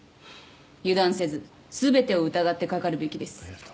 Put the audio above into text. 油断せず全てを疑ってかかるべきです。